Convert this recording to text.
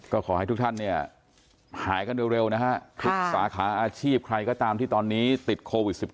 ก็ขอให้ทุกท่านเนี่ยหายกันเร็วนะฮะทุกสาขาอาชีพใครก็ตามที่ตอนนี้ติดโควิด๑๙